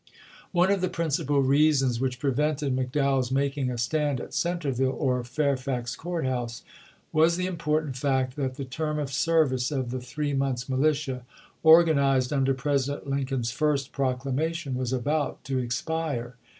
One of the principal reasons which prevented McDowell's making a stand at Centreville or Fair fax Court House was the important fact that the term of service of the three months' militia, organ ized under President Lincoln's first proclamation, was about to expire.